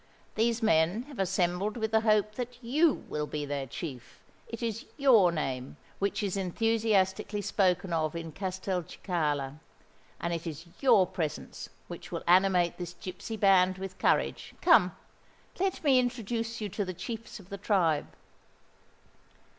"These men have assembled with the hope that you will be their chief: it is your name which is enthusiastically spoken of in Castelcicala; and it is your presence which will animate this gipsy band with courage. Come—let me introduce you to the chiefs of the tribe."